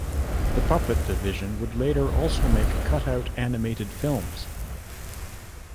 The puppet division would later also make cutout-animated films.